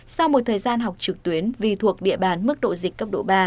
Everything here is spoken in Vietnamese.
sau một thời gian học trực tuyến vì thuộc địa bàn mức độ dịch cấp độ ba